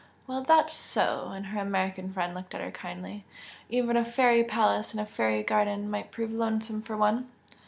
"Well, that's so!" and her American friend looked at her kindly "Even a fairy palace and a fairy garden might prove lonesome for one!"